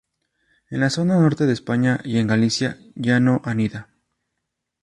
En la zona norte de España y en Galicia ya no anida.